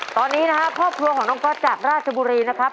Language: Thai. ตอนนี้นะครับครอบครัวของน้องก๊อตจากราชบุรีนะครับ